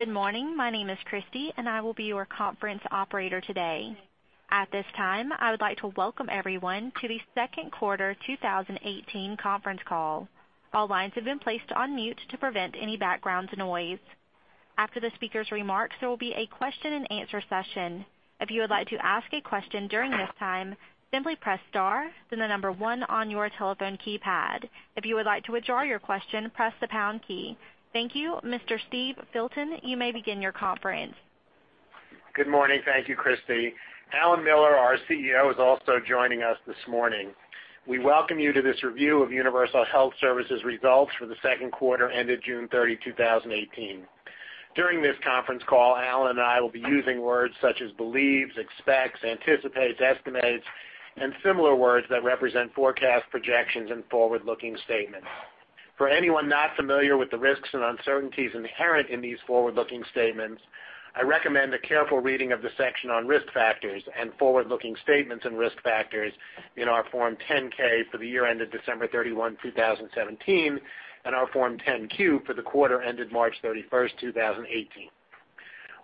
Good morning. My name is Christy, and I will be your conference operator today. At this time, I would like to welcome everyone to the second quarter 2018 conference call. All lines have been placed on mute to prevent any background noise. After the speaker's remarks, there will be a question and answer session. If you would like to ask a question during this time, simply press star, then 1 on your telephone keypad. If you would like to withdraw your question, press the pound key. Thank you. Mr. Steve Filton, you may begin your conference. Good morning. Thank you, Christy. Alan Miller, our CEO, is also joining us this morning. We welcome you to this review of Universal Health Services results for the second quarter ended June 30, 2018. During this conference call, Alan and I will be using words such as believes, expects, anticipates, estimates, and similar words that represent forecast projections and forward-looking statements. For anyone not familiar with the risks and uncertainties inherent in these forward-looking statements, I recommend a careful reading of the section on risk factors and forward-looking statements and risk factors in our Form 10-K for the year ended December 31, 2017, and our Form 10-Q for the quarter ended March 31, 2018.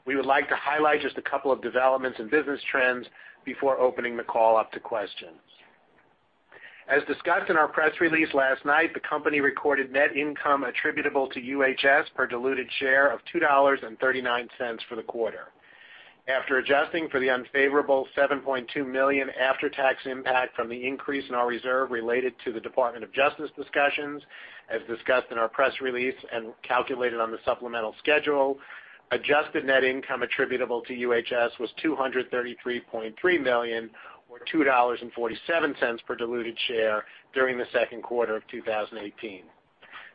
We would like to highlight just a couple of developments and business trends before opening the call up to questions. As discussed in our press release last night, the company recorded net income attributable to UHS per diluted share of $2.39 for the quarter. After adjusting for the unfavorable $7.2 million after-tax impact from the increase in our reserve related to the Department of Justice discussions, as discussed in our press release and calculated on the supplemental schedule, adjusted net income attributable to UHS was $233.3 million or $2.47 per diluted share during the second quarter of 2018.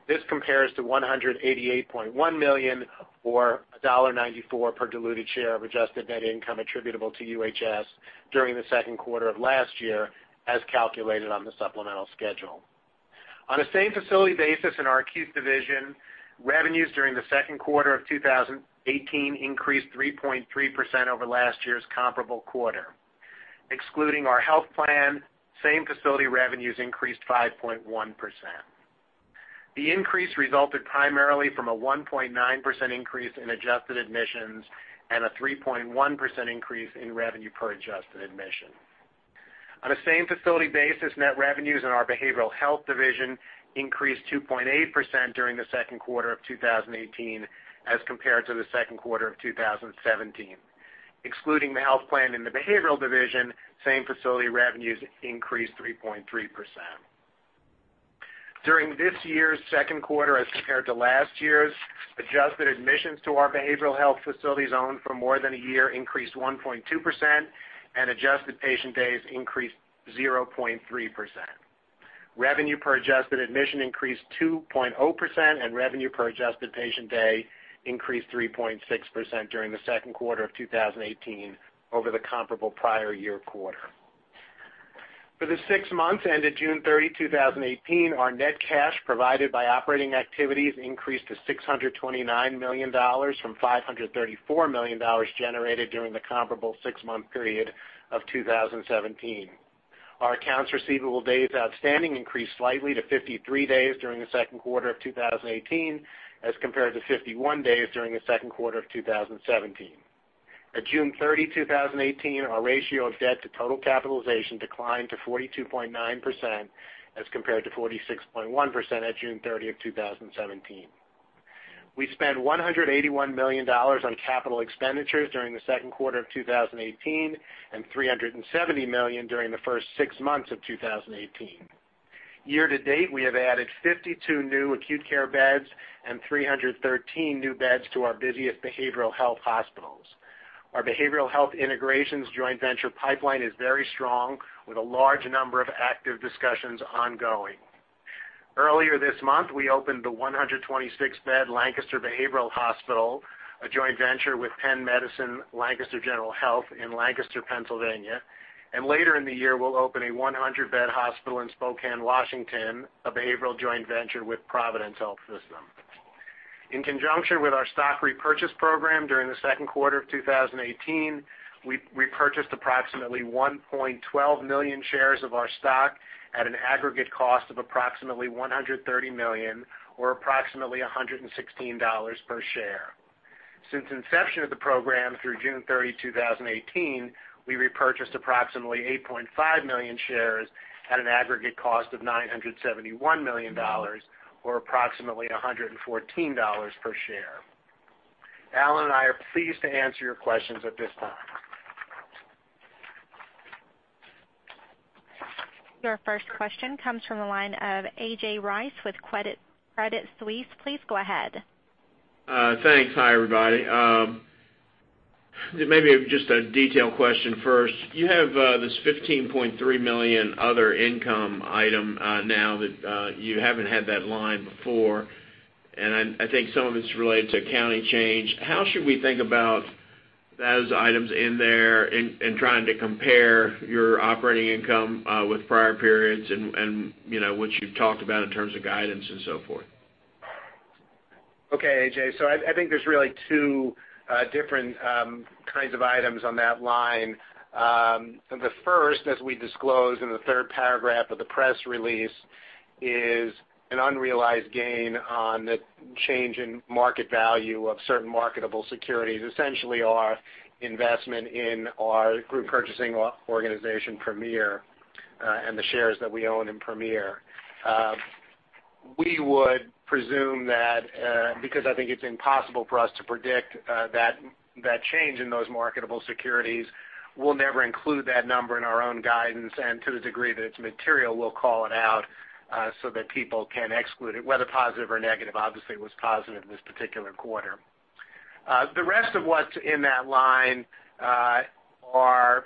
This compares to $188.1 million or $1.94 per diluted share of adjusted net income attributable to UHS during the second quarter of last year as calculated on the supplemental schedule. On a same-facility basis in our acute division, revenues during the second quarter of 2018 increased 3.3% over last year's comparable quarter. Excluding our health plan, same-facility revenues increased 5.1%. The increase resulted primarily from a 1.9% increase in adjusted admissions and a 3.1% increase in revenue per adjusted admission. On a same-facility basis, net revenues in our behavioral health division increased 2.8% during the second quarter of 2018 as compared to the second quarter of 2017. Excluding the health plan in the behavioral division, same-facility revenues increased 3.3%. During this year's second quarter as compared to last year's, adjusted admissions to our behavioral health facilities owned for more than a year increased 1.2%, and adjusted patient days increased 0.3%. Revenue per adjusted admission increased 2.0%, and revenue per adjusted patient day increased 3.6% during the second quarter of 2018 over the comparable prior year quarter. For the six months ended June 30, 2018, our net cash provided by operating activities increased to $629 million from $534 million generated during the comparable six-month period of 2017. Our accounts receivable days outstanding increased slightly to 53 days during the second quarter of 2018 as compared to 51 days during the second quarter of 2017. At June 30, 2018, our ratio of debt to total capitalization declined to 42.9% as compared to 46.1% at June 30, 2017. We spent $181 million on capital expenditures during the second quarter of 2018 and $370 million during the first six months of 2018. Year to date, we have added 52 new acute care beds and 313 new beds to our busiest behavioral health hospitals. Our behavioral health integrations joint venture pipeline is very strong, with a large number of active discussions ongoing. Earlier this month, we opened the 126-bed Lancaster Behavioral Hospital, a joint venture with Penn Medicine Lancaster General Health in Lancaster, Pennsylvania. Later in the year, we'll open a 100-bed hospital in Spokane, Washington, a behavioral joint venture with Providence Health System. In conjunction with our stock repurchase program during the second quarter of 2018, we repurchased approximately 1.12 million shares of our stock at an aggregate cost of approximately $130 million or approximately $116 per share. Since inception of the program through June 30, 2018, we repurchased approximately 8.5 million shares at an aggregate cost of $971 million or approximately $114 per share. Alan and I are pleased to answer your questions at this time. Your first question comes from the line of A.J. Rice with Credit Suisse. Please go ahead. Thanks. Hi, everybody. Maybe just a detailed question first. You have this $15.3 million other income item now that you haven't had that line before, and I think some of it's related to accounting change. How should we think about those items in there in trying to compare your operating income with prior periods and what you've talked about in terms of guidance and so forth? Okay, A.J. I think there's really two different kinds of items on that line. The first, as we disclose in the third paragraph of the press release, is an unrealized gain on the change in market value of certain marketable securities, essentially our investment in our group purchasing organization, Premier, and the shares that we own in Premier. We would presume that because I think it's impossible for us to predict that change in those marketable securities, we'll never include that number in our own guidance, and to the degree that it's material, we'll call it out so that people can exclude it, whether positive or negative. Obviously, it was positive in this particular quarter. The rest of what's in that line are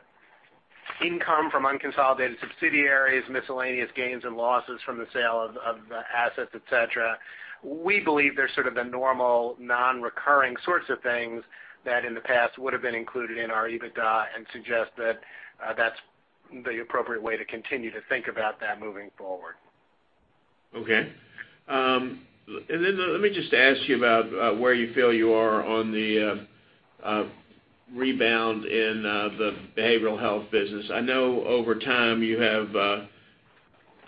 income from unconsolidated subsidiaries, miscellaneous gains and losses from the sale of assets, et cetera. We believe they're sort of the normal non-recurring sorts of things that in the past would have been included in our EBITDA and suggest that that's the appropriate way to continue to think about that moving forward. Okay. Let me just ask you about where you feel you are on the rebound in the behavioral health business. I know over time you have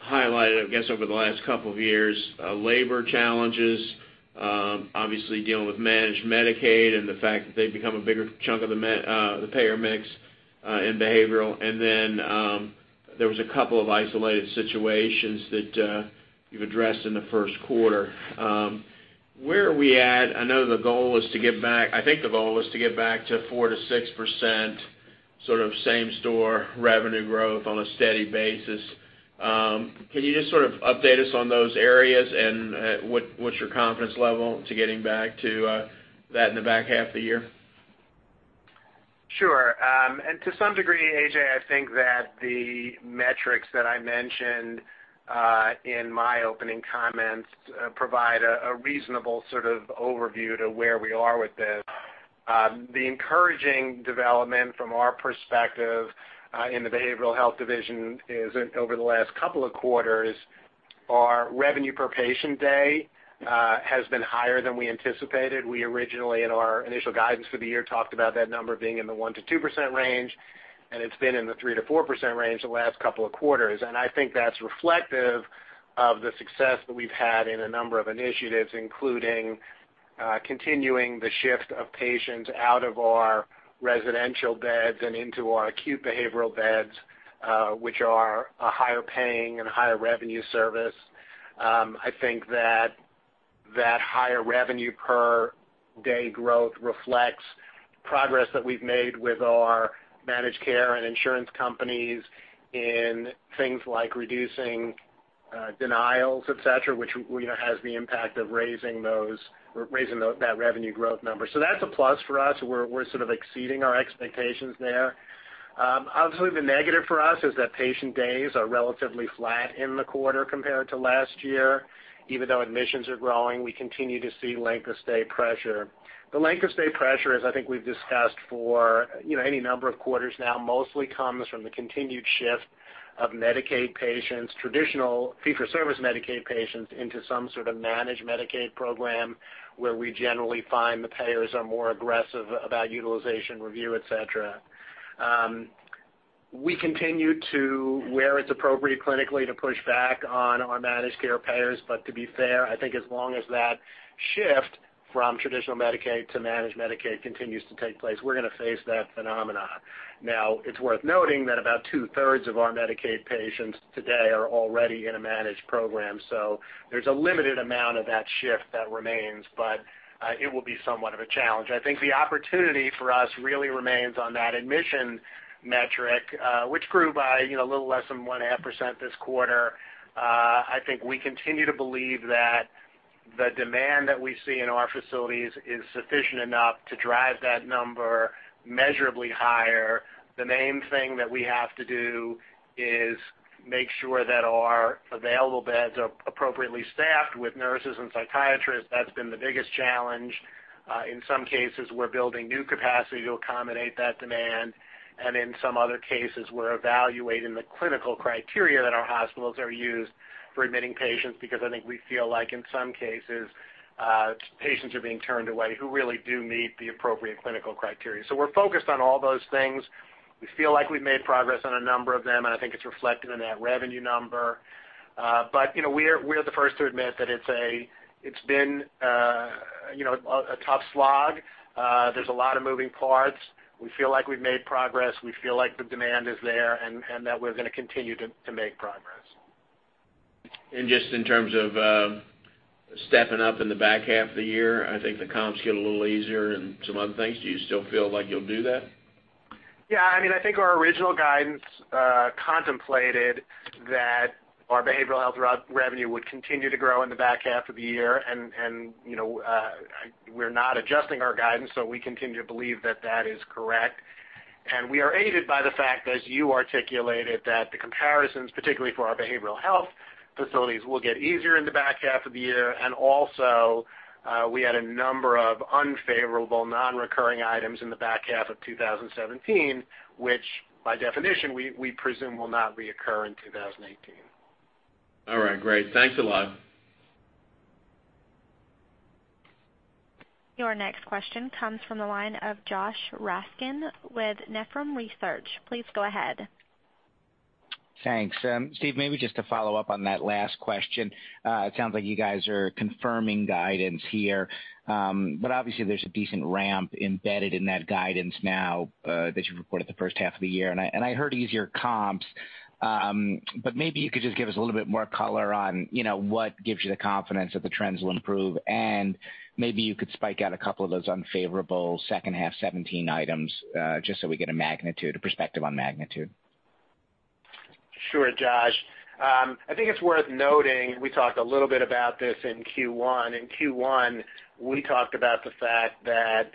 highlighted, I guess, over the last couple of years, labor challenges, obviously dealing with managed Medicaid and the fact that they've become a bigger chunk of the payer mix in behavioral. Then there was a couple of isolated situations that you've addressed in the first quarter. Where are we at? I think the goal was to get back to 4%-6%, sort of same-store revenue growth on a steady basis. Can you just sort of update us on those areas and what's your confidence level to getting back to that in the back half of the year? Sure. To some degree, A.J., I think that the metrics that I mentioned in my opening comments provide a reasonable sort of overview to where we are with this. The encouraging development from our perspective in the behavioral health division is over the last couple of quarters, our revenue per patient day has been higher than we anticipated. We originally, in our initial guidance for the year, talked about that number being in the 1%-2% range, and it's been in the 3%-4% range the last couple of quarters. I think that's reflective of the success that we've had in a number of initiatives, including continuing the shift of patients out of our residential beds and into our acute behavioral beds, which are a higher paying and higher revenue service. I think that higher revenue per day growth reflects progress that we've made with our managed care and insurance companies in things like reducing denials, et cetera, which has the impact of raising that revenue growth number. That's a plus for us. We're sort of exceeding our expectations there. Obviously, the negative for us is that patient days are relatively flat in the quarter compared to last year. Even though admissions are growing, we continue to see length of stay pressure. The length of stay pressure, as I think we've discussed for any number of quarters now, mostly comes from the continued shift of Medicaid patients, traditional fee-for-service Medicaid patients, into some sort of managed Medicaid program, where we generally find the payers are more aggressive about utilization review, et cetera. We continue to, where it's appropriate clinically, to push back on our managed care payers. To be fair, I think as long as that shift from traditional Medicaid to managed Medicaid continues to take place, we're going to face that phenomenon. Now, it's worth noting that about two-thirds of our Medicaid patients today are already in a managed program. There's a limited amount of that shift that remains, but it will be somewhat of a challenge. I think the opportunity for us really remains on that admission metric, which grew by a little less than 1.5% this quarter. I think we continue to believe that the demand that we see in our facilities is sufficient enough to drive that number measurably higher. The main thing that we have to do is make sure that our available beds are appropriately staffed with nurses and psychiatrists. That's been the biggest challenge. In some cases, we're building new capacity to accommodate that demand, and in some other cases, we're evaluating the clinical criteria that our hospitals are used for admitting patients because I think we feel like in some cases, patients are being turned away who really do meet the appropriate clinical criteria. We're focused on all those things. We feel like we've made progress on a number of them, and I think it's reflected in that revenue number. We are the first to admit that it's been a tough slog. There's a lot of moving parts. We feel like we've made progress. We feel like the demand is there and that we're going to continue to make progress. Just in terms of stepping up in the back half of the year, I think the comps get a little easier and some other things. Do you still feel like you'll do that? Yeah, I think our original guidance contemplated that our behavioral health revenue would continue to grow in the back half of the year. We're not adjusting our guidance, so we continue to believe that that is correct. We are aided by the fact, as you articulated, that the comparisons, particularly for our behavioral health facilities, will get easier in the back half of the year. Also, we had a number of unfavorable non-recurring items in the back half of 2017, which by definition, we presume will not reoccur in 2018. All right, great. Thanks a lot. Your next question comes from the line of Josh Raskin with Nephron Research. Please go ahead. Thanks. Steve, maybe just to follow up on that last question. It sounds like you guys are confirming guidance here. Obviously there's a decent ramp embedded in that guidance now, that you reported the first half of the year. I heard easier comps. Maybe you could just give us a little bit more color on what gives you the confidence that the trends will improve, and maybe you could spike out a couple of those unfavorable second half 2017 items, just so we get a perspective on magnitude. Sure, Josh. I think it's worth noting, we talked a little bit about this in Q1. In Q1, we talked about the fact that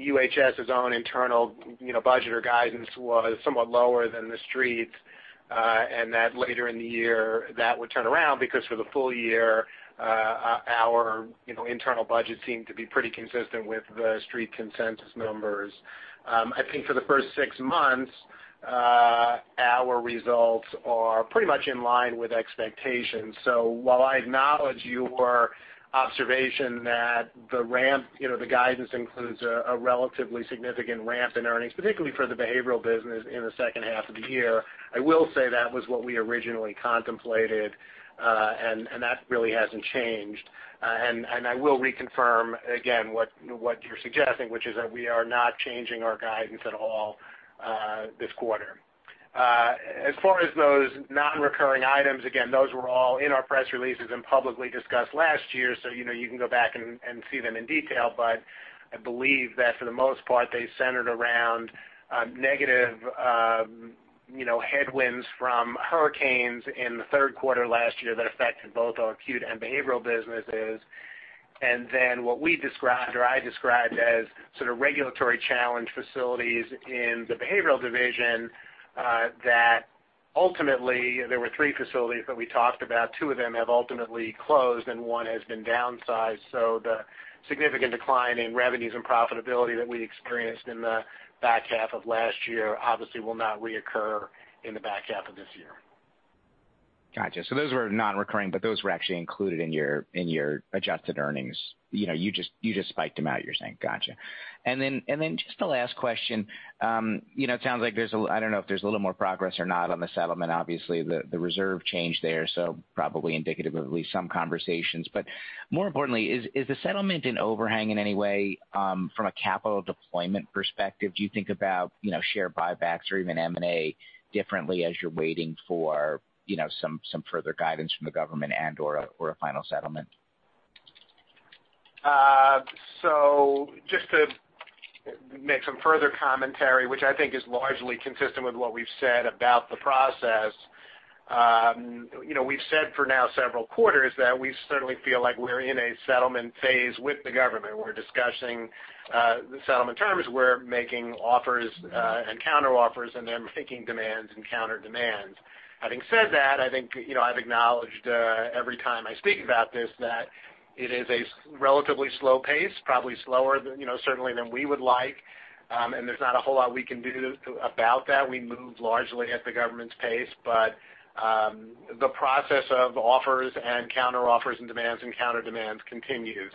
UHS' own internal budget or guidance was somewhat lower than the Street's, and that later in the year, that would turn around because for the full year, our internal budget seemed to be pretty consistent with the Street consensus numbers. I think for the first six months, our results are pretty much in line with expectations. While I acknowledge your observation that the guidance includes a relatively significant ramp in earnings, particularly for the behavioral business in the second half of the year, I will say that was what we originally contemplated, and that really hasn't changed. I will reconfirm again what you're suggesting, which is that we are not changing our guidance at all this quarter. As far as those non-recurring items, again, those were all in our press releases and publicly discussed last year. You can go back and see them in detail, but I believe that for the most part, they centered around negative headwinds from hurricanes in the third quarter last year that affected both our acute and behavioral businesses. Then what we described, or I described as sort of regulatory challenge facilities in the behavioral division, that ultimately there were three facilities that we talked about. Two of them have ultimately closed and one has been downsized. The significant decline in revenues and profitability that we experienced in the back half of last year obviously will not reoccur in the back half of this year. Got you. Those were non-recurring, but those were actually included in your adjusted earnings. You just split them out, you're saying. Got you. Then just a last question. It sounds like there's a, I don't know if there's a little more progress or not on the settlement, obviously the reserve changed there, probably indicative of at least some conversations. More importantly, is the settlement an overhang in any way from a capital deployment perspective? Do you think about share buybacks or even M&A differently as you're waiting for some further guidance from the government and/or a final settlement? Just to make some further commentary, which I think is largely consistent with what we've said about the process. We've said for now several quarters that we certainly feel like we're in a settlement phase with the government. We're discussing settlement terms, we're making offers and counteroffers, and they're making demands and counterdemands. Having said that, I think I've acknowledged every time I speak about this that it is a relatively slow pace, probably slower than certainly than we would like. There's not a whole lot we can do about that. We move largely at the government's pace, but the process of offers and counteroffers and demands and counterdemands continues.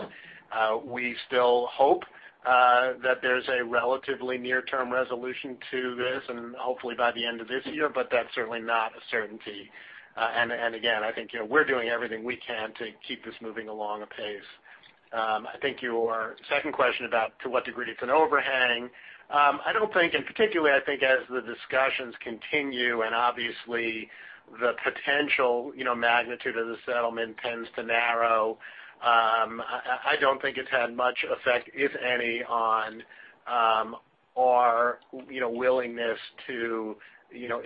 We still hope that there's a relatively near-term resolution to this and hopefully by the end of this year, but that's certainly not a certainty. Again, I think we're doing everything we can to keep this moving along a pace. I think your second question about to what degree it's an overhang. I don't think, particularly I think as the discussions continue and obviously the potential magnitude of the settlement tends to narrow, I don't think it's had much effect, if any, on our willingness to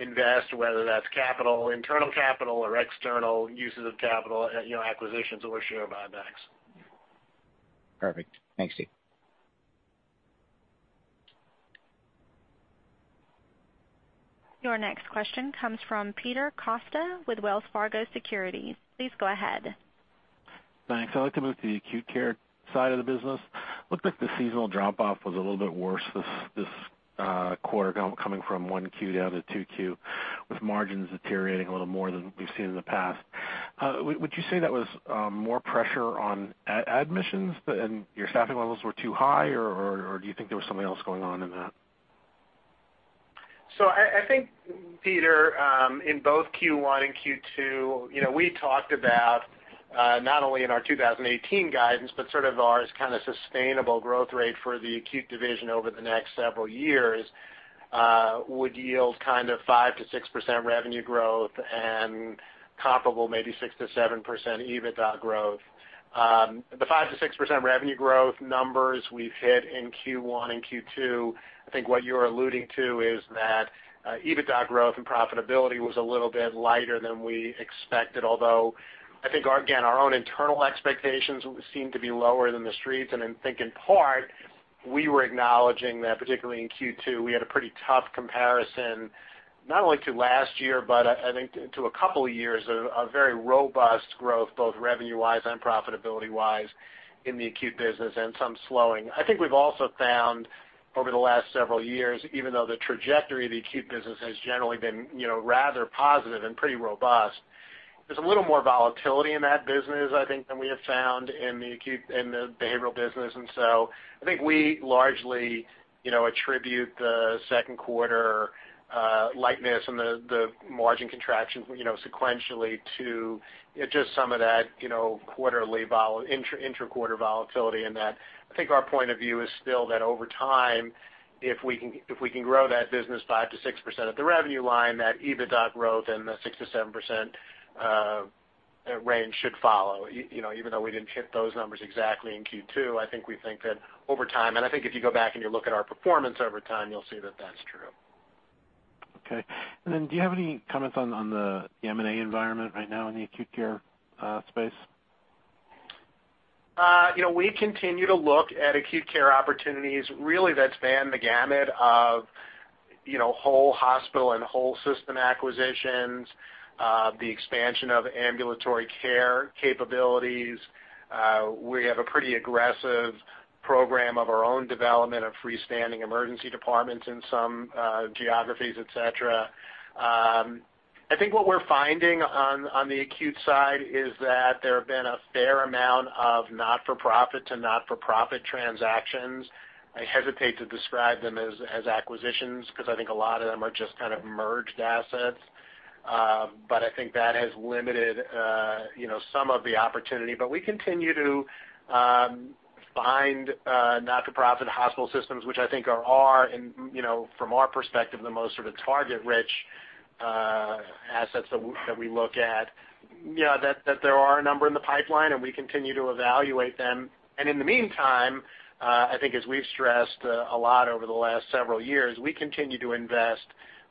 invest, whether that's capital, internal capital or external uses of capital, acquisitions or share buybacks. Perfect. Thanks, Steve. Your next question comes from Peter Costa with Wells Fargo Securities. Please go ahead. Thanks. I'd like to move to the acute care side of the business. Looked like the seasonal drop off was a little bit worse this quarter coming from 1Q down to 2Q, with margins deteriorating a little more than we've seen in the past. Would you say that was more pressure on admissions and your staffing levels were too high, or do you think there was something else going on in that? I think, Peter, in both Q1 and Q2, we talked about, not only in our 2018 guidance, but sort of our kind of sustainable growth rate for the acute division over the next several years, would yield kind of 5%-6% revenue growth and comparable maybe 6%-7% EBITDA growth. The 5%-6% revenue growth numbers we've hit in Q1 and Q2, I think what you're alluding to is that EBITDA growth and profitability was a little bit lighter than we expected, although I think, again, our own internal expectations seemed to be lower than the Street's. I think in part, we were acknowledging that particularly in Q2, we had a pretty tough comparison, not only to last year, but I think to a couple of years of very robust growth, both revenue-wise and profitability-wise in the acute business and some slowing. I think we've also found over the last several years, even though the trajectory of the acute business has generally been rather positive and pretty robust, there's a little more volatility in that business, I think, than we have found in the behavioral business. I think we largely attribute the second quarter lightness and the margin contraction sequentially to just some of that intra-quarter volatility in that. I think our point of view is still that over time, if we can grow that business 5%-6% at the revenue line, that EBITDA growth in the 6%-7% range should follow. Even though we didn't hit those numbers exactly in Q2, I think we think that over time, and I think if you go back and you look at our performance over time, you'll see that that's true. Okay. Do you have any comments on the M&A environment right now in the acute care space? We continue to look at acute care opportunities, really that span the gamut of whole hospital and whole system acquisitions, the expansion of ambulatory care capabilities. We have a pretty aggressive program of our own development of freestanding emergency departments in some geographies, et cetera. I think what we're finding on the acute side is that there have been a fair amount of not-for-profit-to-not-for-profit transactions. I hesitate to describe them as acquisitions, because I think a lot of them are just kind of merged assets. I think that has limited some of the opportunity. We continue to find not-for-profit hospital systems, which I think are, from our perspective, the most sort of target-rich assets that we look at, that there are a number in the pipeline, and we continue to evaluate them. In the meantime, I think as we've stressed a lot over the last several years, we continue to invest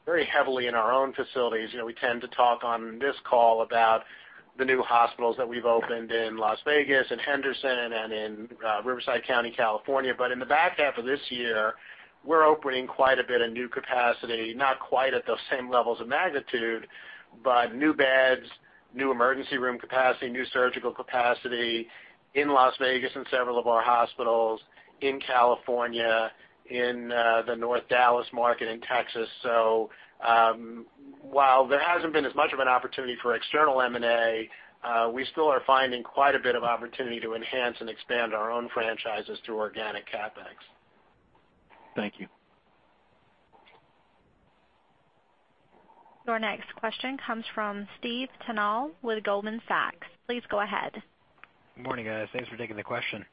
very heavily in our own facilities. We tend to talk on this call about the new hospitals that we've opened in Las Vegas and Henderson and in Riverside County, California. In the back half of this year, we're opening quite a bit of new capacity, not quite at those same levels of magnitude, but new beds, new emergency room capacity, new surgical capacity in Las Vegas and several of our hospitals in California, in the North Dallas market in Texas. While there hasn't been as much of an opportunity for external M&A, we still are finding quite a bit of opportunity to enhance and expand our own franchises through organic CapEx. Thank you. Your next question comes from Stephen Tanal with Goldman Sachs. Please go ahead. Good morning, guys. Thanks for taking the question.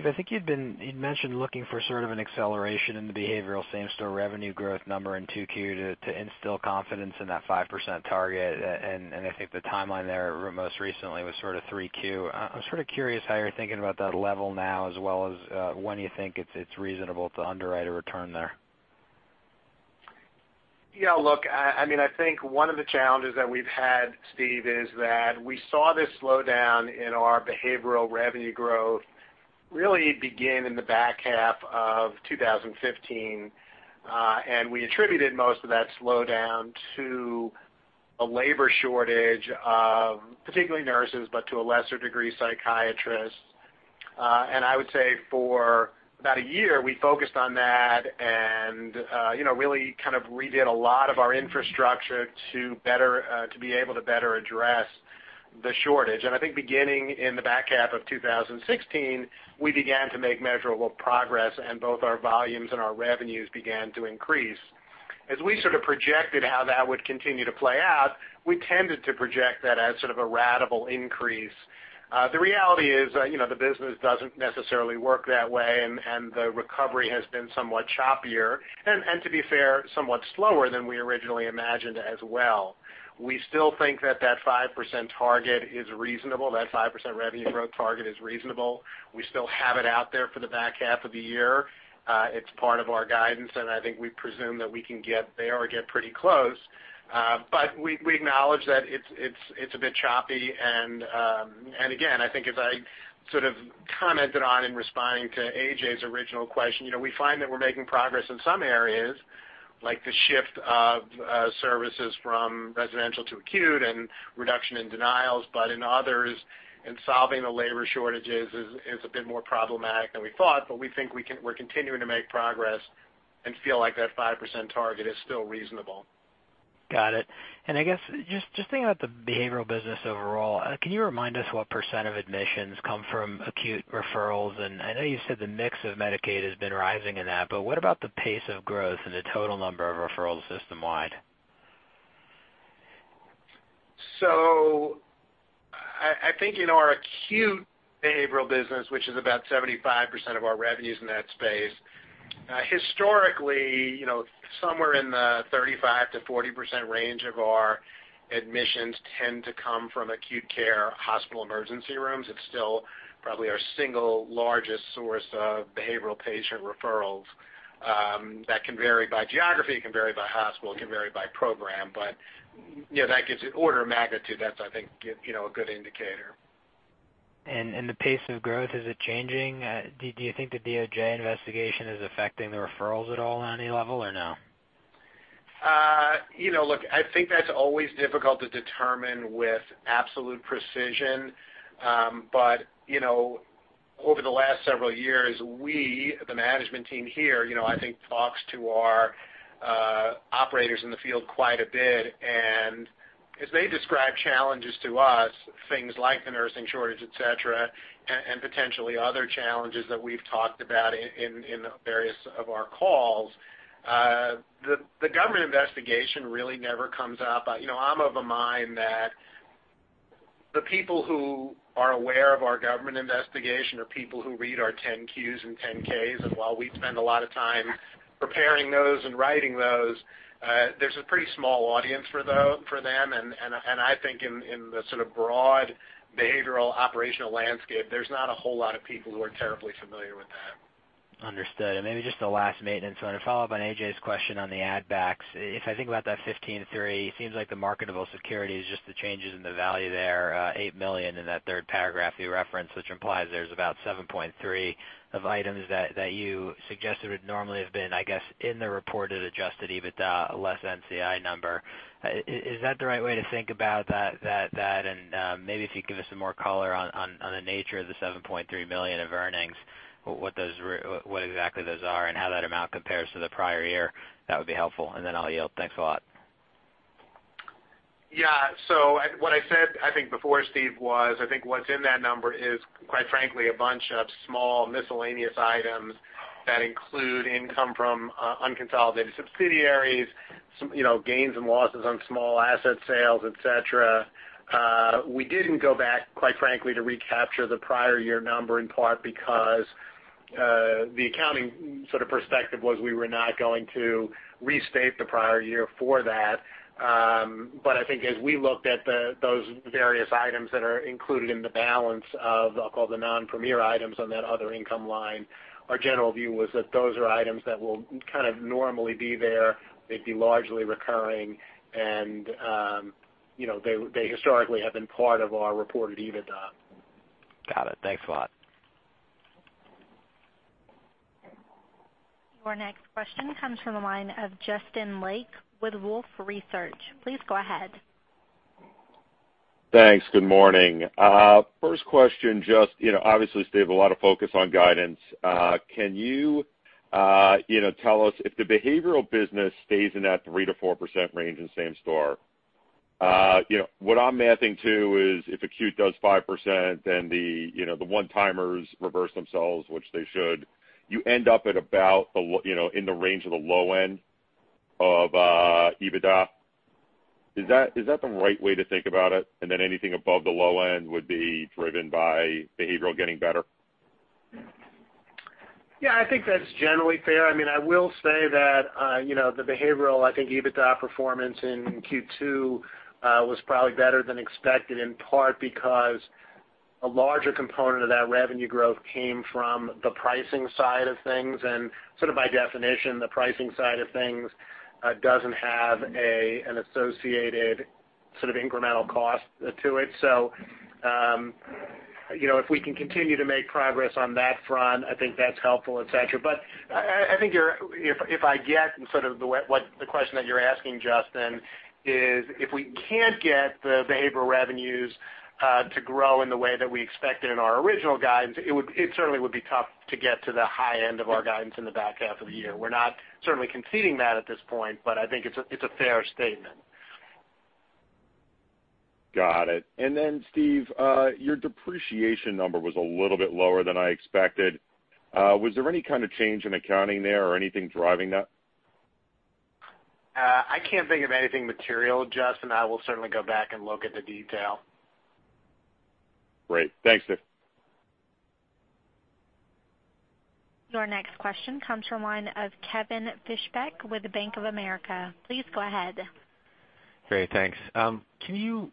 Steve, I think you'd mentioned looking for sort of an acceleration in the behavioral same-store revenue growth number in 2Q to instill confidence in that 5% target, and I think the timeline there most recently was sort of 3Q. I'm sort of curious how you're thinking about that level now, as well as when you think it's reasonable to underwrite a return there. Yeah, look, I think one of the challenges that we've had, Steve, is that we saw this slowdown in our behavioral revenue growth really begin in the back half of 2015. We attributed most of that slowdown to a labor shortage of particularly nurses, but to a lesser degree, psychiatrists. I would say for about a year, we focused on that and really kind of redid a lot of our infrastructure to be able to better address the shortage. I think beginning in the back half of 2016, we began to make measurable progress and both our volumes and our revenues began to increase. We sort of projected how that would continue to play out, we tended to project that as sort of a ratable increase. The reality is, the business doesn't necessarily work that way, and the recovery has been somewhat choppier, and to be fair, somewhat slower than we originally imagined as well. We still think that that 5% target is reasonable. That 5% revenue growth target is reasonable. We still have it out there for the back half of the year. It's part of our guidance. I think we presume that we can get there or get pretty close. We acknowledge that it's a bit choppy, and again, I think as I sort of commented on in responding to A.J.'s original question, we find that we're making progress in some areas, like the shift of services from residential to acute and reduction in denials. In others, in solving the labor shortages is a bit more problematic than we thought. We think we're continuing to make progress and feel like that 5% target is still reasonable. Got it. I guess just thinking about the behavioral business overall, can you remind us what % of admissions come from acute referrals? I know you said the mix of Medicaid has been rising in that, but what about the pace of growth and the total number of referrals system-wide? I think in our acute behavioral business, which is about 75% of our revenues in that space Historically, somewhere in the 35%-40% range of our admissions tend to come from acute care hospital emergency rooms. It's still probably our single largest source of behavioral patient referrals. That can vary by geography, it can vary by hospital, it can vary by program. That gives you order of magnitude. That's, I think, a good indicator. The pace of growth, is it changing? Do you think the DOJ investigation is affecting the referrals at all on any level or no? Look, I think that's always difficult to determine with absolute precision. Over the last several years, we, the management team here, I think, talks to our operators in the field quite a bit, and as they describe challenges to us, things like the nursing shortage, et cetera, and potentially other challenges that we've talked about in the various of our calls, the government investigation really never comes up. I'm of a mind that the people who are aware of our government investigation are people who read our 10-Qs and 10-Ks. While we spend a lot of time preparing those and writing those, there's a pretty small audience for them, and I think in the sort of broad behavioral operational landscape, there's not a whole lot of people who are terribly familiar with that. Understood. Maybe just the last maintenance one. To follow up on A.J.'s question on the add backs, if I think about that $15.3, it seems like the marketable security is just the changes in the value there, $8 million in that third paragraph you referenced, which implies there's about $7.3 of items that you suggested would normally have been, I guess, in the reported adjusted EBITDA less NCI number. Is that the right way to think about that? Maybe if you could give us some more color on the nature of the $7.3 million of earnings, what exactly those are and how that amount compares to the prior year, that would be helpful. Then I'll yield. Thanks a lot. Yeah. What I said, I think before, Steve, was I think what's in that number is, quite frankly, a bunch of small miscellaneous items that include income from unconsolidated subsidiaries, gains and losses on small asset sales, et cetera. We didn't go back, quite frankly, to recapture the prior year number in part because, the accounting sort of perspective was we were not going to restate the prior year for that. I think as we looked at those various items that are included in the balance of, I'll call the non-Premier items on that other income line, our general view was that those are items that will kind of normally be there, they'd be largely recurring, and they historically have been part of our reported EBITDA. Got it. Thanks a lot. Your next question comes from the line of Justin Lake with Wolfe Research. Please go ahead. Thanks. Good morning. First question, just obviously, Steve, a lot of focus on guidance. Can you tell us if the behavioral business stays in that 3%-4% range in same store, what I'm mathing to is if acute does 5%, then the one-timers reverse themselves, which they should, you end up at about in the range of the low end of EBITDA. Is that the right way to think about it? Anything above the low end would be driven by behavioral getting better? Yeah, I think that's generally fair. I will say that the behavioral, I think EBITDA performance in Q2 was probably better than expected, in part because a larger component of that revenue growth came from the pricing side of things. Sort of by definition, the pricing side of things doesn't have an associated sort of incremental cost to it. If we can continue to make progress on that front, I think that's helpful, et cetera. I think if I get sort of the question that you're asking, Justin, is if we can't get the behavioral revenues to grow in the way that we expected in our original guidance, it certainly would be tough to get to the high end of our guidance in the back half of the year. We're not certainly conceding that at this point, but I think it's a fair statement. Got it. Steve, your depreciation number was a little bit lower than I expected. Was there any kind of change in accounting there or anything driving that? I can't think of anything material, Justin. I will certainly go back and look at the detail. Great. Thanks, Steve. Your next question comes from one of Kevin Fischbeck with the Bank of America. Please go ahead. Great. Thanks. Can you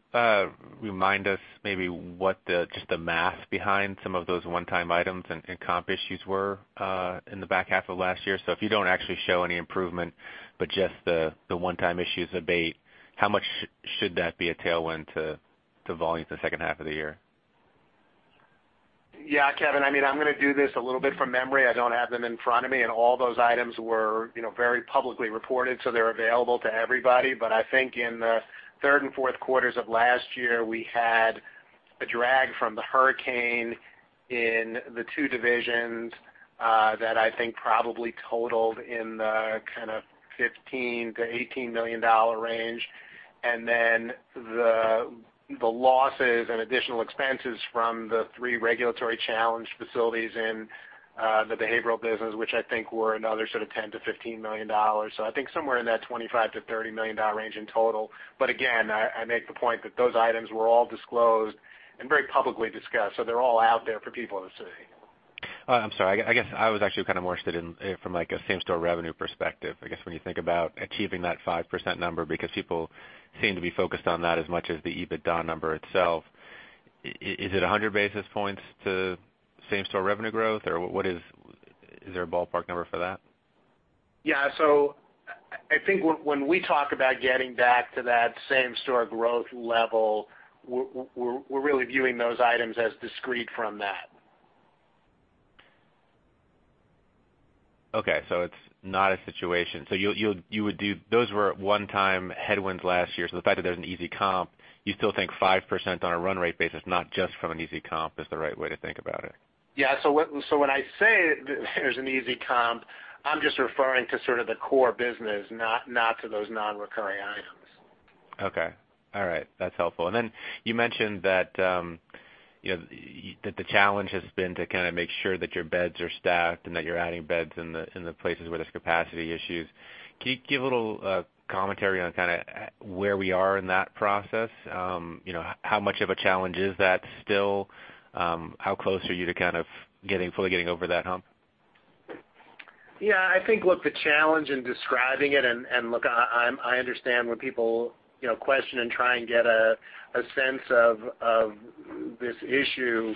remind us maybe what just the math behind some of those one-time items and comp issues were, in the back half of last year? If you don't actually show any improvement, but just the one-time issues abate, how much should that be a tailwind to volume for the second half of the year? Yeah, Kevin, I'm going to do this a little bit from memory. I don't have them in front of me, and all those items were very publicly reported, so they're available to everybody. I think in the third and fourth quarters of last year, we had a drag from the hurricane in the two divisions, that I think probably totaled in the kind of $15 million-$18 million range. The losses and additional expenses from the three regulatory challenge facilities in the behavioral business, which I think were another sort of $10 million-$15 million. I think somewhere in that $25 million-$30 million range in total. Again, I make the point that those items were all disclosed and very publicly discussed, so they're all out there for people to see. I'm sorry. I guess I was actually more interested in from a same-store revenue perspective, I guess when you think about achieving that 5% number, because people seem to be focused on that as much as the EBITDA number itself. Is it 100 basis points to same-store revenue growth, or is there a ballpark number for that? Yeah. I think when we talk about getting back to that same-store growth level, we're really viewing those items as discrete from that. Okay, it's not a situation. Those were one-time headwinds last year. The fact that there's an easy comp, you still think 5% on a run rate basis, not just from an easy comp, is the right way to think about it. Yeah. When I say there's an easy comp, I'm just referring to sort of the core business, not to those non-recurring items. Okay. All right. That's helpful. Then you mentioned that the challenge has been to make sure that your beds are staffed and that you're adding beds in the places where there's capacity issues. Can you give a little commentary on where we are in that process? How much of a challenge is that still? How close are you to fully getting over that hump? Yeah, I think, look, the challenge in describing it, look, I understand when people question and try and get a sense of this issue.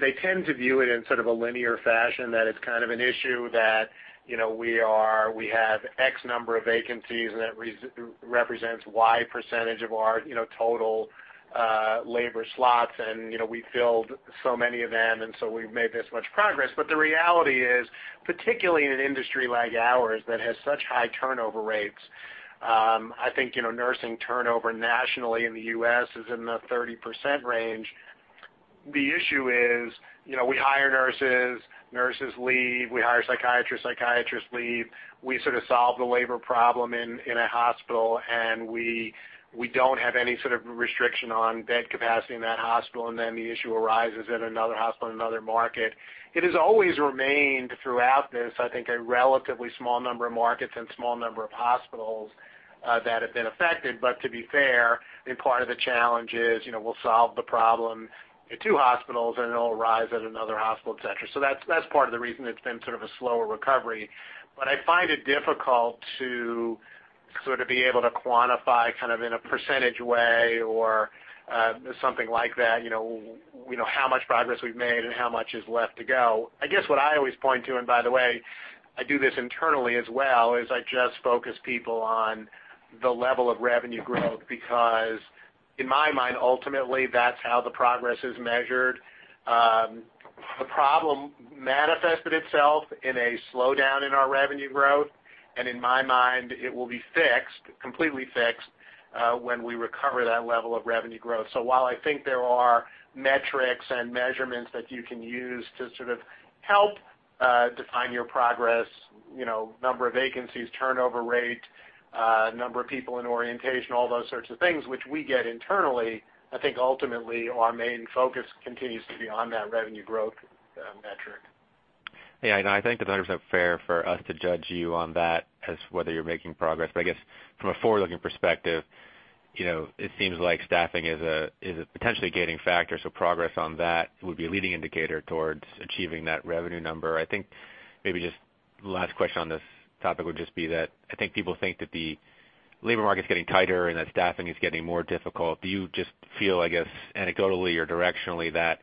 They tend to view it in sort of a linear fashion, that it's kind of an issue that we have X number of vacancies and that represents Y percentage of our total labor slots, we filled so many of them, so we've made this much progress. The reality is, particularly in an industry like ours that has such high turnover rates, I think nursing turnover nationally in the U.S. is in the 30% range. The issue is, we hire nurses leave, we hire psychiatrists leave. We sort of solve the labor problem in a hospital, we don't have any sort of restriction on bed capacity in that hospital, then the issue arises at another hospital in another market. It has always remained throughout this, I think, a relatively small number of markets and small number of hospitals that have been affected. To be fair, I think part of the challenge is, we'll solve the problem at two hospitals, and it'll arise at another hospital, et cetera. That's part of the reason it's been sort of a slower recovery, but I find it difficult to be able to quantify in a percentage way or something like that, how much progress we've made and how much is left to go. I guess what I always point to, and by the way, I do this internally as well, is I just focus people on the level of revenue growth, because in my mind, ultimately, that's how the progress is measured. The problem manifested itself in a slowdown in our revenue growth, in my mind, it will be completely fixed when we recover that level of revenue growth. While I think there are metrics and measurements that you can use to sort of help define your progress, number of vacancies, turnover rate, number of people in orientation, all those sorts of things which we get internally, I think ultimately our main focus continues to be on that revenue growth metric. I think that it's fair for us to judge you on that as whether you're making progress. I guess from a forward-looking perspective, it seems like staffing is a potentially gating factor, progress on that would be a leading indicator towards achieving that revenue number. I think maybe just the last question on this topic would just be that I think people think that the labor market's getting tighter and that staffing is getting more difficult. Do you just feel, I guess, anecdotally or directionally, that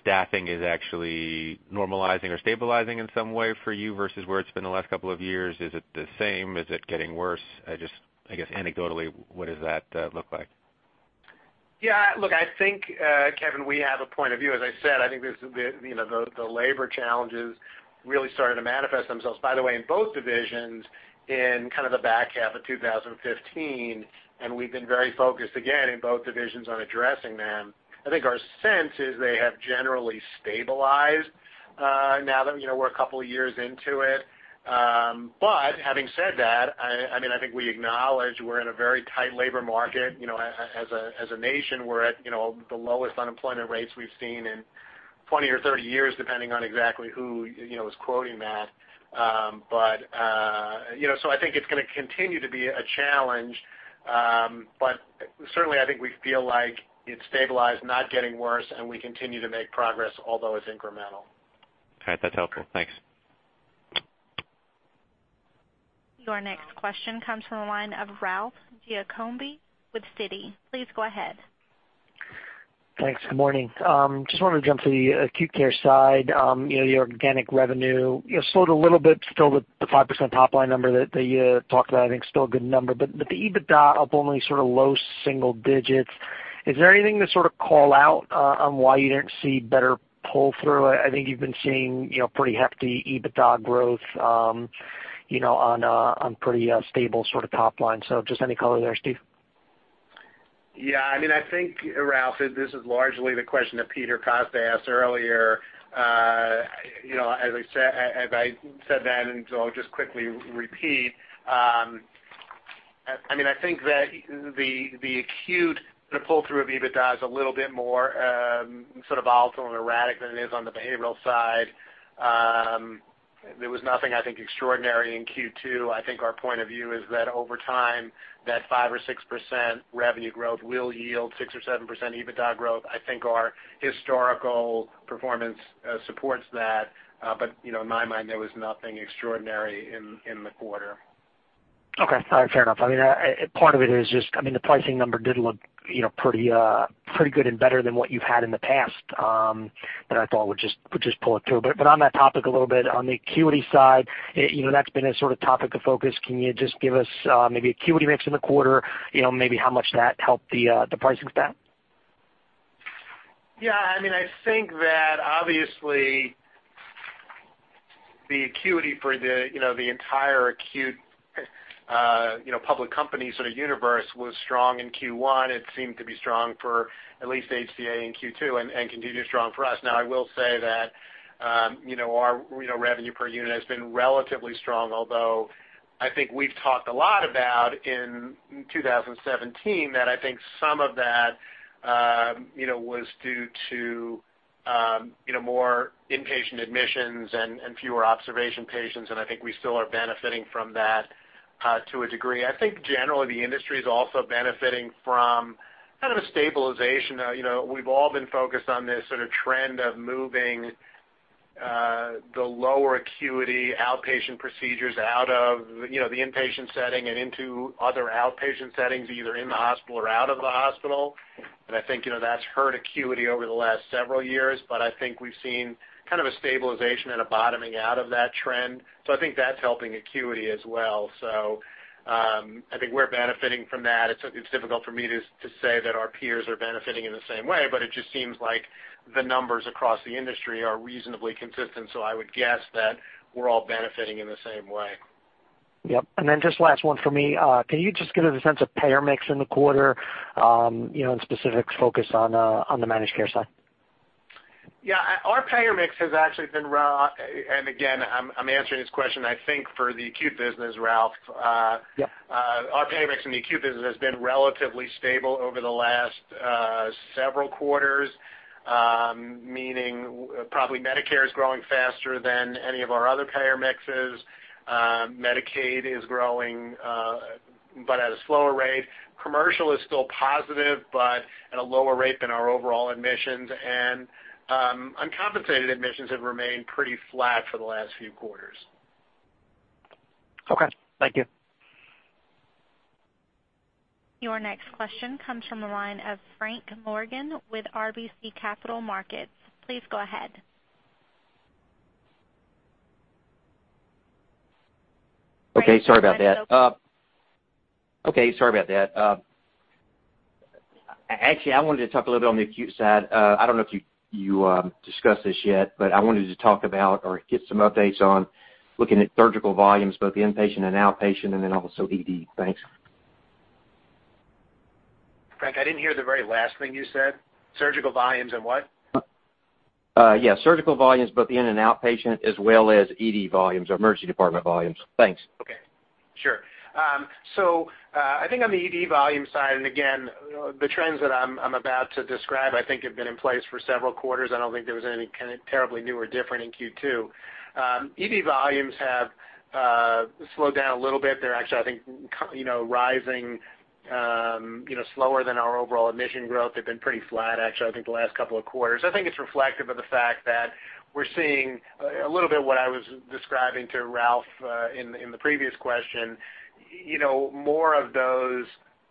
staffing is actually normalizing or stabilizing in some way for you versus where it's been the last couple of years? Is it the same? Is it getting worse? I guess anecdotally, what does that look like? I think, Kevin, we have a point of view. As I said, I think the labor challenges really started to manifest themselves, by the way, in both divisions in the back half of 2015, we've been very focused, again, in both divisions on addressing them. I think our sense is they have generally stabilized now that we're a couple of years into it. Having said that, I think we acknowledge we're in a very tight labor market. As a nation, we're at the lowest unemployment rates we've seen in 20 or 30 years, depending on exactly who is quoting that. I think it's going to continue to be a challenge, but certainly, I think we feel like it's stabilized, not getting worse, and we continue to make progress, although it's incremental. All right. That's helpful. Thanks. Your next question comes from the line of Ralph Giacomi with Citi. Please go ahead. Thanks. Good morning. Just wanted to jump to the acute care side. Your organic revenue slowed a little bit. Still, the 5% top-line number that you talked about, I think is still a good number. The EBITDA up only low single digits. Is there anything to sort of call out on why you didn't see better pull-through? I think you've been seeing pretty hefty EBITDA growth on pretty stable sort of top line. Just any color there, Steve? Yeah. I think, Ralph, this is largely the question that Peter Costa asked earlier. As I said then, I'll just quickly repeat. I think that the acute pull-through of EBITDA is a little bit more volatile and erratic than it is on the behavioral side. There was nothing, I think, extraordinary in Q2. I think our point of view is that over time, that 5% or 6% revenue growth will yield 6% or 7% EBITDA growth. I think our historical performance supports that. In my mind, there was nothing extraordinary in the quarter. Okay. All right, fair enough. Part of it is just the pricing number did look pretty good and better than what you've had in the past, that I thought would just pull it through. On that topic a little bit, on the acuity side, that's been a topic of focus. Can you just give us maybe acuity mix in the quarter, maybe how much that helped the pricing stat? Yeah. I think that obviously the acuity for the entire acute public company universe was strong in Q1. It seemed to be strong for at least HCA in Q2 and continues strong for us. I will say that our revenue per unit has been relatively strong, although I think we've talked a lot about in 2017 that I think some of that was due to more inpatient admissions and fewer observation patients, and I think we still are benefiting from that to a degree. I think generally the industry is also benefiting from a stabilization. We've all been focused on this trend of moving the lower acuity outpatient procedures out of the inpatient setting and into other outpatient settings, either in the hospital or out of the hospital. I think that's hurt acuity over the last several years. I think we've seen a stabilization and a bottoming out of that trend. I think that's helping acuity as well. I think we're benefiting from that. It's difficult for me to say that our peers are benefiting in the same way, but it just seems like the numbers across the industry are reasonably consistent. I would guess that we're all benefiting in the same way. Yep. Just last one for me. Can you just give us a sense of payer mix in the quarter, and specifics focused on the managed care side? Yeah. Our payer mix has actually been-- and again, I'm answering this question, I think, for the acute business, Ralph. Yep. Our payer mix in the acute business has been relatively stable over the last several quarters, meaning probably Medicare is growing faster than any of our other payer mixes. Medicaid is growing, but at a slower rate. Commercial is still positive, but at a lower rate than our overall admissions. Uncompensated admissions have remained pretty flat for the last few quarters. Okay. Thank you. Your next question comes from the line of Frank Morgan with RBC Capital Markets. Please go ahead. Okay, sorry about that. I wanted to talk a little bit on the acute side. I don't know if you discussed this yet, I wanted to talk about or get some updates on looking at surgical volumes, both inpatient and outpatient, also ED. Thanks. Frank, I didn't hear the very last thing you said. Surgical volumes what? Yeah. Surgical volumes, both in and outpatient, as well as ED volumes or emergency department volumes. Thanks. Okay. Sure. I think on the ED volume side, again, the trends that I'm about to describe, I think, have been in place for several quarters. I don't think there was any terribly new or different in Q2. ED volumes have slowed down a little bit. They're actually, I think, rising slower than our overall admission growth. They've been pretty flat, actually, I think the last couple of quarters. I think it's reflective of the fact that we're seeing a little bit what I was describing to Ralph in the previous question. More of those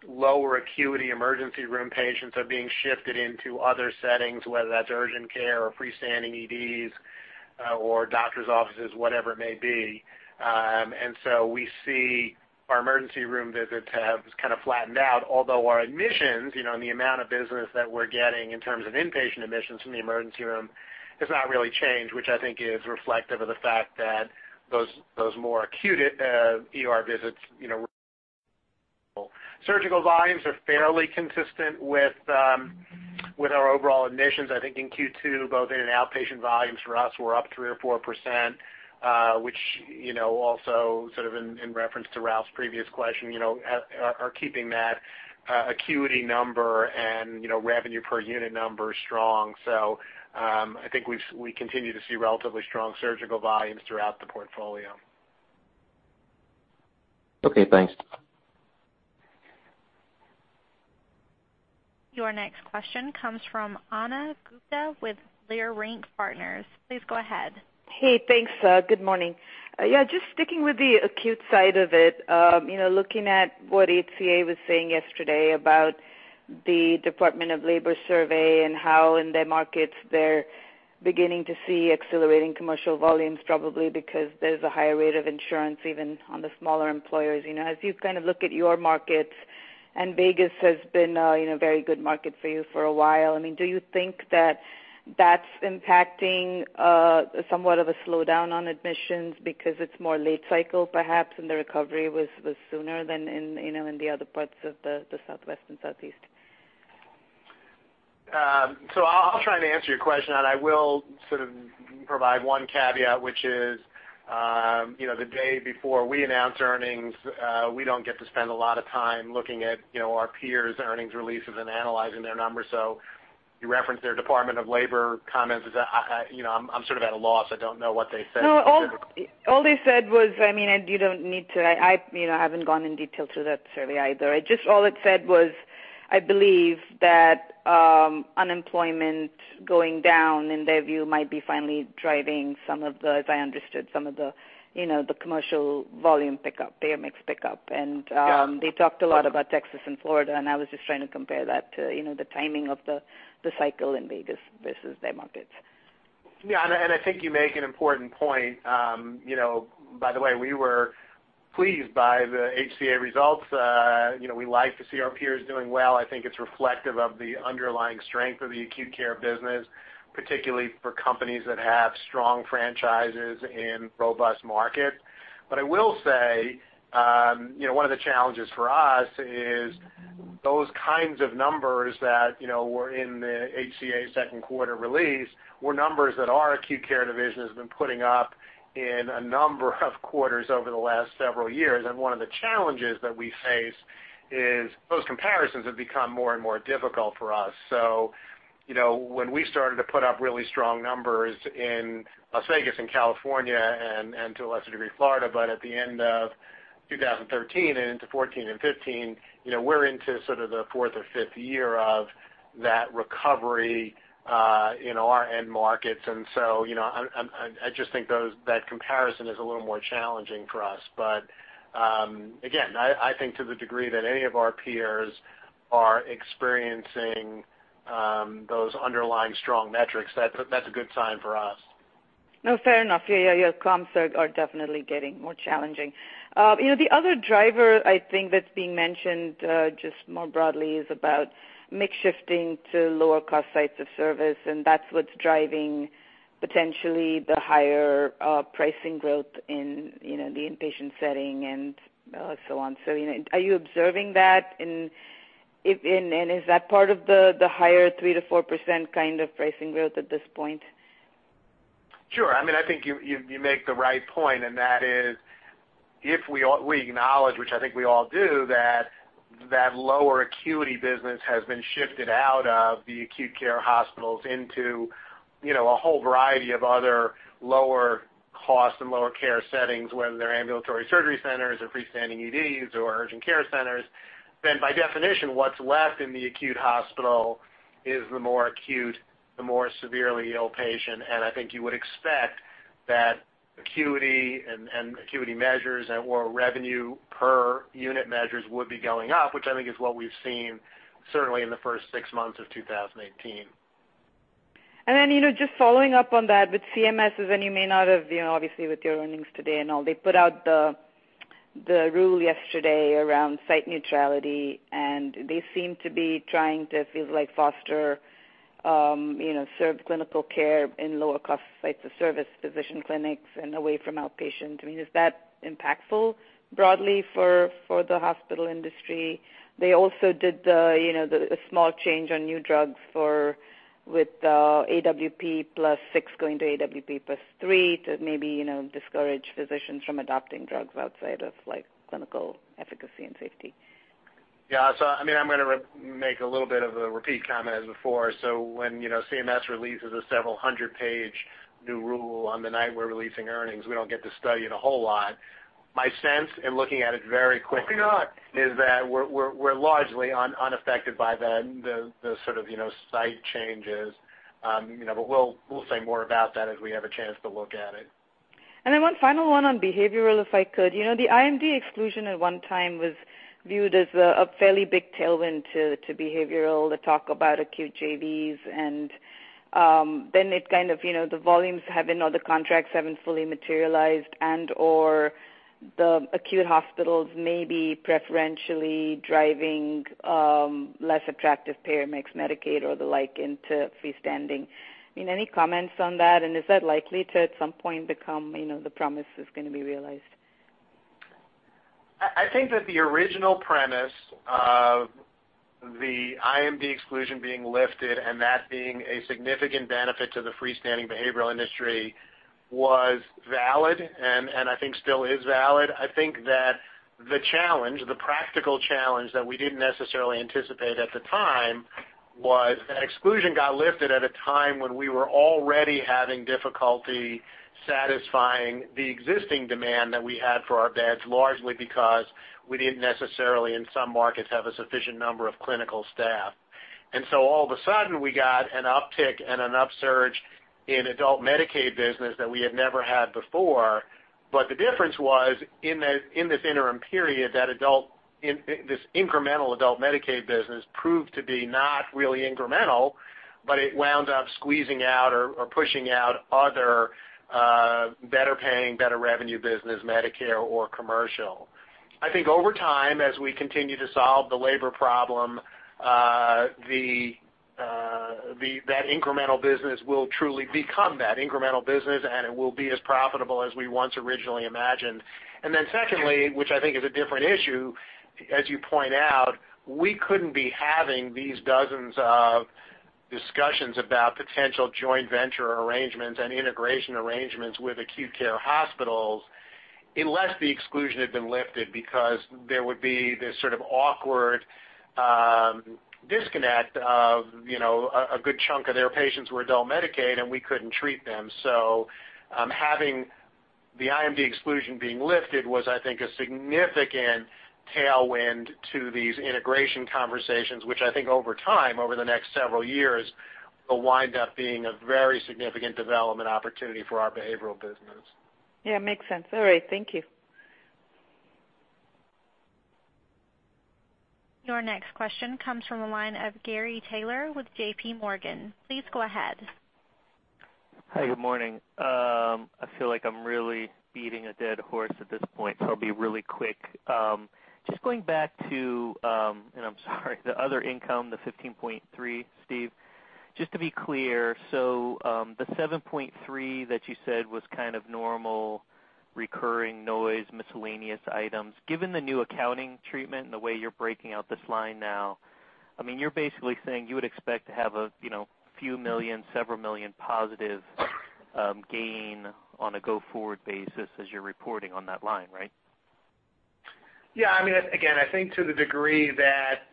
lower acuity emergency room patients are being shifted into other settings, whether that's urgent care or freestanding EDs or doctor's offices, whatever it may be. We see our emergency room visits have flattened out, although our admissions and the amount of business that we are getting in terms of inpatient admissions from the emergency room has not really changed, which I think is reflective of the fact that those more acute ER visits surgical volumes are fairly consistent with our overall admissions. I think in Q2, both in and outpatient volumes for us were up 3% or 4%, which also in reference to Ralph's previous question, are keeping that acuity number and revenue per unit number strong. I think we continue to see relatively strong surgical volumes throughout the portfolio. Okay, thanks. Your next question comes from Ana Gupte with Leerink Partners. Please go ahead. Hey, thanks. Good morning. Just sticking with the acute side of it, looking at what HCA was saying yesterday about the Department of Labor survey and how in their markets they are beginning to see accelerating commercial volumes, probably because there is a higher rate of insurance even on the smaller employers. As you look at your markets, and Vegas has been a very good market for you for a while, do you think that that is impacting somewhat of a slowdown on admissions because it is more late cycle, perhaps, and the recovery was sooner than in the other parts of the Southwest and Southeast? I'll try and answer your question, and I will provide one caveat, which is the day before we announce earnings, we don't get to spend a lot of time looking at our peers' earnings releases and analyzing their numbers. You referenced their Department of Labor comments. I'm sort of at a loss. I don't know what they said specifically. No, all they said was, I haven't gone in detail to that survey either. All it said was, I believe that unemployment going down, in their view, might be finally driving, as I understood, some of the commercial volume pickup, payer mix pickup. Yeah. They talked a lot about Texas and Florida, and I was just trying to compare that to the timing of the cycle in Vegas versus their markets. I think you make an important point. By the way, we were pleased by the HCA results. We like to see our peers doing well. I think it's reflective of the underlying strength of the acute care business, particularly for companies that have strong franchises in robust markets. I will say, one of the challenges for us is those kinds of numbers that were in the HCA second quarter release were numbers that our acute care division has been putting up in a number of quarters over the last several years. One of the challenges that we face is those comparisons have become more and more difficult for us. When we started to put up really strong numbers in Las Vegas and California, and to a lesser degree, Florida, at the end of 2013 and into 2014 and 2015, we're into sort of the fourth or fifth year of that recovery in our end markets. I just think that comparison is a little more challenging for us. Again, I think to the degree that any of our peers are experiencing those underlying strong metrics, that's a good sign for us. No, fair enough. Yeah, your comps are definitely getting more challenging. The other driver I think that's being mentioned, just more broadly, is about mix shifting to lower cost sites of service, and that's what's driving potentially the higher pricing growth in the inpatient setting and so on. Are you observing that, and is that part of the higher 3%-4% kind of pricing growth at this point? Sure. I think you make the right point, and that is if we acknowledge, which I think we all do, that that lower acuity business has been shifted out of the acute care hospitals into a whole variety of other lower cost and lower care settings, whether they're ambulatory surgery centers or freestanding EDs or urgent care centers, then by definition, what's left in the acute hospital is the more acute, the more severely ill patient. I think you would expect that acuity and acuity measures or revenue per unit measures would be going up, which I think is what we've seen certainly in the first six months of 2018. Just following up on that, with CMS, and you may not have, obviously, with your earnings today and all, they put out the rule yesterday around site neutrality, and they seem to be trying to, it feels like, 'foster site-neutral clinical care] in lower cost sites of service, physician clinics, and away from outpatient. Is that impactful broadly for the hospital industry? They also did the small change on new drugs with AWP + 6 going to AWP + 3 to maybe discourage physicians from adopting drugs outside of clinical efficacy and safety. Yeah. I'm going to make a little bit of a repeat comment as before. When CMS releases a several hundred-page new rule on the night we're releasing earnings, we don't get to study it a whole lot. My sense in looking at it very quickly. Hopefully not. Is that we're largely unaffected by the sort of site changes. We'll say more about that as we have a chance to look at it. One final one on behavioral, if I could. The IMD exclusion at one time was viewed as a fairly big tailwind to behavioral, the talk about acute JVs. The volumes haven't, or the contracts haven't fully materialized and/or the acute hospitals may be preferentially driving less attractive payer mix Medicaid or the like into freestanding. Any comments on that, and is that likely to at some point become the promise is going to be realized? I think that the original premise of the IMD exclusion being lifted and that being a significant benefit to the freestanding behavioral industry was valid, I think still is valid. I think that the challenge, the practical challenge that we didn't necessarily anticipate at the time, was that exclusion got lifted at a time when we were already having difficulty satisfying the existing demand that we had for our beds, largely because we didn't necessarily, in some markets, have a sufficient number of clinical staff. All of a sudden, we got an uptick and an upsurge in adult Medicaid business that we had never had before. The difference was, in this interim period, this incremental adult Medicaid business proved to be not really incremental, but it wound up squeezing out or pushing out other better paying, better revenue business, Medicare or commercial. I think over time, as we continue to solve the labor problem, that incremental business will truly become that incremental business, and it will be as profitable as we once originally imagined. Secondly, which I think is a different issue, as you point out, we couldn't be having these dozens of discussions about potential joint venture arrangements and integration arrangements with acute care hospitals unless the exclusion had been lifted, because there would be this sort of awkward disconnect of a good chunk of their patients were adult Medicaid, and we couldn't treat them. Having the IMD exclusion being lifted was, I think, a significant tailwind to these integration conversations, which I think over time, over the next several years, will wind up being a very significant development opportunity for our behavioral business. Yeah, makes sense. All right, thank you. Your next question comes from the line of Gary Taylor with J.P. Morgan. Please go ahead. Hi, good morning. I feel like I'm really beating a dead horse at this point, so I'll be really quick. Going back to, and I'm sorry, the other income, the $15.3, Steve. To be clear, the $7.3 that you said was kind of normal, recurring noise, miscellaneous items. Given the new accounting treatment and the way you're breaking out this line now, you're basically saying you would expect to have a few million, several million positive gain on a go-forward basis as you're reporting on that line, right? Yeah. I think to the degree that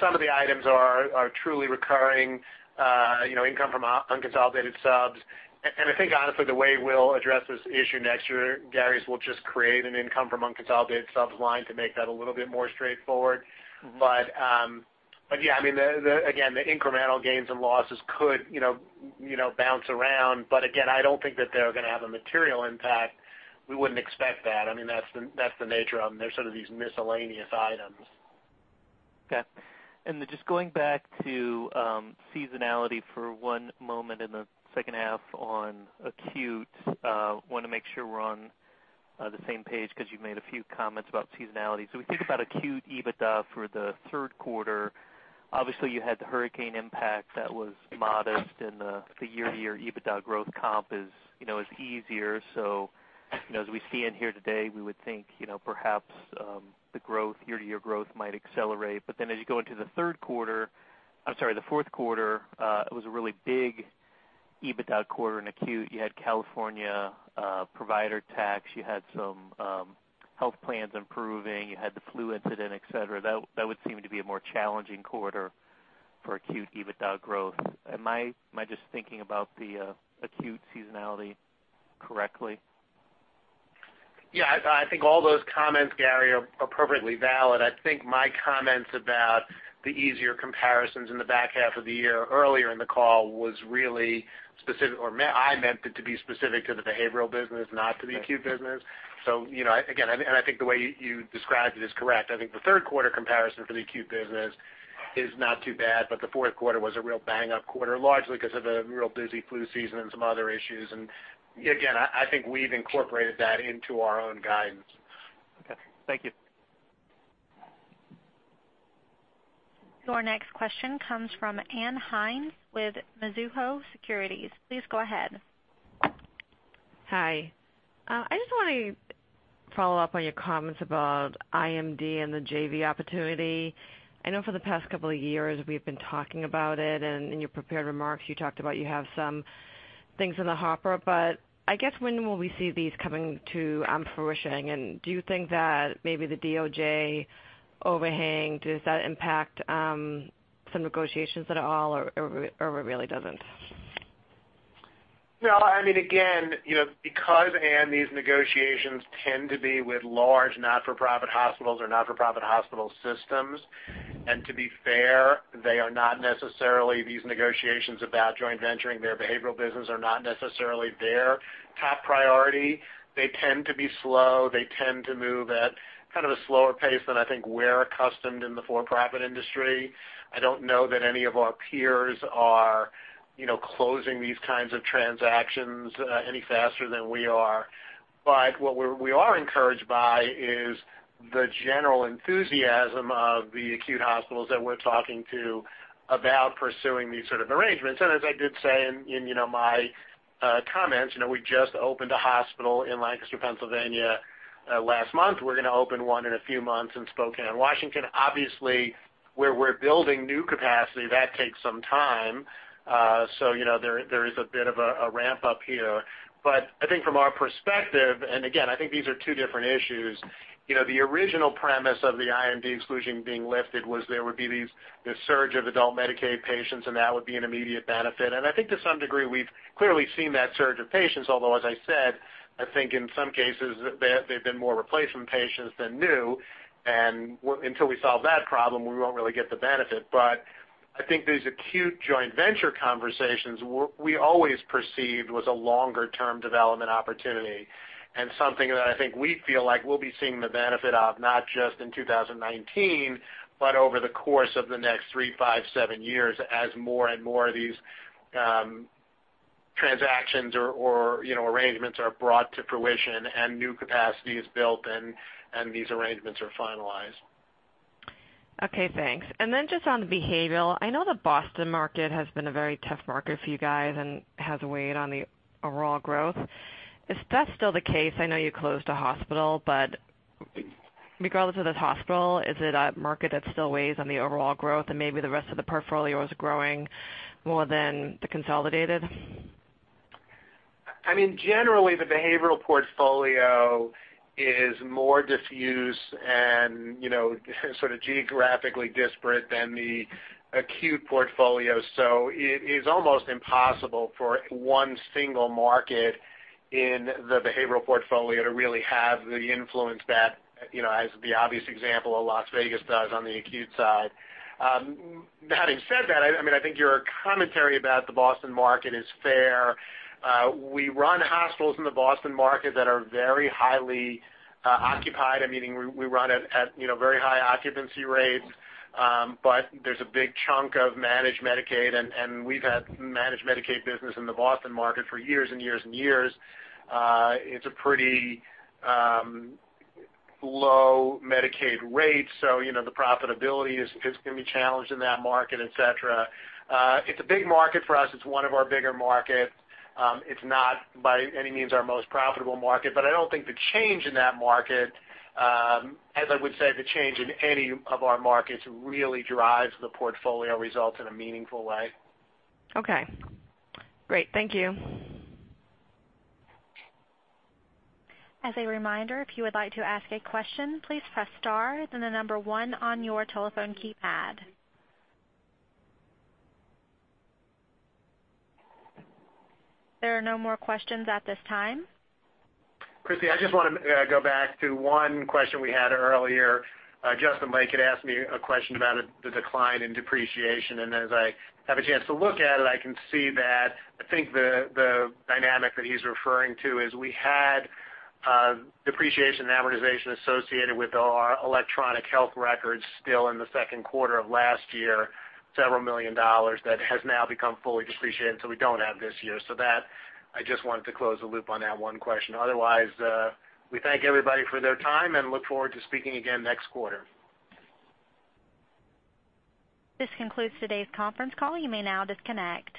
some of the items are truly recurring, income from unconsolidated subs, I think honestly, the way we'll address this issue next year, Gary, is we'll just create an income from unconsolidated subs line to make that a little bit more straightforward. Yeah, the incremental gains and losses could bounce around. I don't think that they're going to have a material impact. We wouldn't expect that. That's the nature of them. They're sort of these miscellaneous items. Okay. Going back to seasonality for one moment in the second half on acute. I want to make sure we're on the same page because you've made a few comments about seasonality. We think about acute EBITDA for the third quarter. Obviously, you had the hurricane impact that was modest, and the year-over-year EBITDA growth comp is easier. As we see in here today, we would think perhaps the year-over-year growth might accelerate. As you go into the third quarter-- I'm sorry, the fourth quarter, it was a really big EBITDA quarter in acute. You had California provider tax. You had some health plans improving. You had the flu incident, et cetera. That would seem to be a more challenging quarter for acute EBITDA growth. Am I just thinking about the acute seasonality correctly? Yeah. I think all those comments, Gary, are appropriately valid. I think my comments about the easier comparisons in the back half of the year, earlier in the call, I meant it to be specific to the behavioral business, not to the acute business. I think the way you described it is correct. I think the third quarter comparison for the acute business is not too bad, but the fourth quarter was a real bang-up quarter, largely because of a real busy flu season and some other issues. I think we've incorporated that into our own guidance. Okay. Thank you. Your next question comes from Ann Hynes with Mizuho Securities. Please go ahead. Hi. I just want to follow up on your comments about IMD and the JV opportunity. I know for the past couple of years, we've been talking about it, and in your prepared remarks, you talked about you have some things in the hopper. I guess when will we see these coming to fruition, and do you think that maybe the DOJ overhang, does that impact some negotiations at all, or it really doesn't? No. Again, because, Ann, these negotiations tend to be with large, not-for-profit hospitals or not-for-profit hospital systems, and to be fair, they are not necessarily these negotiations about joint venturing. Their behavioral business are not necessarily their top priority. They tend to be slow. They tend to move at kind of a slower pace than I think we're accustomed in the for-profit industry. I don't know that any of our peers are closing these kinds of transactions any faster than we are. What we are encouraged by is the general enthusiasm of the acute hospitals that we're talking to about pursuing these sort of arrangements. As I did say in my comments, we just opened a hospital in Lancaster, Pennsylvania, last month. We're going to open one in a few months in Spokane, Washington. Obviously, where we're building new capacity, that takes some time. There is a bit of a ramp-up here. I think from our perspective, and again, I think these are two different issues. The original premise of the IMD exclusion being lifted was there would be this surge of adult Medicaid patients, and that would be an immediate benefit. I think to some degree, we've clearly seen that surge of patients. Although, as I said, I think in some cases, they've been more replacement patients than new. Until we solve that problem, we won't really get the benefit. I think these acute joint venture conversations, we always perceived was a longer-term development opportunity and something that I think we feel like we'll be seeing the benefit of, not just in 2019, but over the course of the next three, five, seven years as more and more of these transactions or arrangements are brought to fruition and new capacity is built and these arrangements are finalized. Okay, thanks. Just on behavioral, I know the Boston market has been a very tough market for you guys and has weighed on the overall growth. Is that still the case? I know you closed a hospital, but regardless of this hospital, is it a market that still weighs on the overall growth and maybe the rest of the portfolio is growing more than the consolidated? Generally, the behavioral portfolio is more diffuse and geographically disparate than the acute portfolio. It is almost impossible for one single market in the behavioral portfolio to really have the influence that, as the obvious example of Las Vegas does on the acute side. Having said that, I think your commentary about the Boston market is fair. We run hospitals in the Boston market that are very highly occupied, meaning we run at very high occupancy rates. There's a big chunk of managed Medicaid, and we've had managed Medicaid business in the Boston market for years and years. It's a pretty low Medicaid rate, so the profitability is going to be challenged in that market, et cetera. It's a big market for us. It's one of our bigger markets. It's not by any means our most profitable market, but I don't think the change in that market, as I would say, the change in any of our markets really drives the portfolio results in a meaningful way. Okay, great. Thank you. As a reminder, if you would like to ask a question, please press star, then the number 1 on your telephone keypad. There are no more questions at this time. Christy, I just want to go back to one question we had earlier. Justin Lake had asked me a question about the decline in depreciation, and as I have a chance to look at it, I can see that I think the dynamic that he's referring to is we had depreciation and amortization associated with our electronic health records still in the second quarter of last year, several million dollars that has now become fully depreciated, so we don't have this year. That, I just wanted to close the loop on that one question. Otherwise, we thank everybody for their time and look forward to speaking again next quarter. This concludes today's conference call. You may now disconnect.